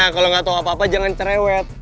kalau gak tau apa apa jangan cerewet